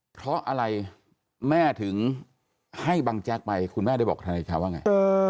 เพราะอะไรแม่ถึงให้บังแจ๊กไปคุณแม่ได้บอกทนายเดชาว่าไง